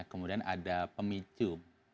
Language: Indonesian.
kemudian ada pemicu